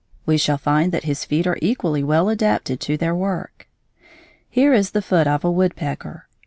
We shall find that his feet are equally well adapted to their work. Here is the foot of a woodpecker.